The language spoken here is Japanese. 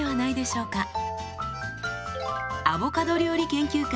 アボカド料理研究家